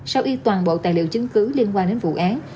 sau khi toàn bộ tài liệu chứng cứ liên quan đến vụ án